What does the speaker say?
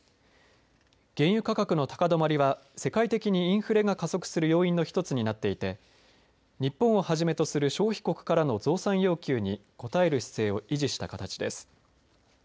原油価格の高止まりは世界的にインフレが加速する要因の一つになっていて日本をはじめとする消費国からの増産要求に応える姿勢を維持した形です。